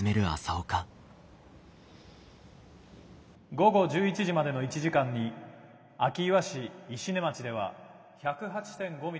「午後１１時までの１時間に明岩市石音町では１０８．５ミリの」。